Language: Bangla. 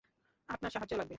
আপনার সাহায্য লাগবে।